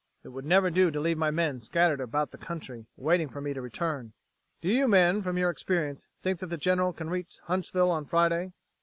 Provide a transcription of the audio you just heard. It would never do to leave my men scattered about the country, waiting for me to return. Do you men, from your experience, think that the General can reach Huntsville on Friday?"